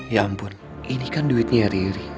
ya ampun ini kan duitnya riri